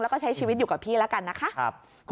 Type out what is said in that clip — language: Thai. แล้วก็ใช้ชีวิตอยู่กับพี่แล้วกันนะคะ